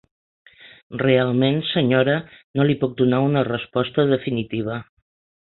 Realment, senyora, no li puc donar una resposta definitiva.